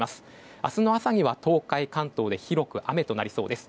明日の朝には東海、関東で広く雨となりそうです。